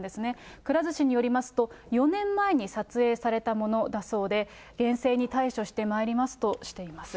くら寿司によりますと、４年前に撮影されたものだそうで、厳正に対処してまいりますとしています。